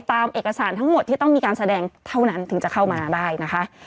ตามเอกสารทั้งหมดที่ต้องมีการแสดงเท่านั้นถึงจะเข้ามาได้นะคะ